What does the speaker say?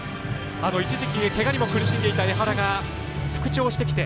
一時期、けがにも苦しんでいた江原が復調してきて